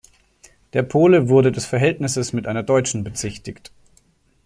Der Pole wurde des Verhältnisses mit einer Deutschen bezichtigt.